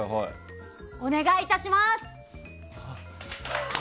お願いいたします。